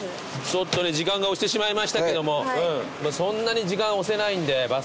ちょっとね時間が押してしまいましたけどもそんなに時間押せないんでバスの時間。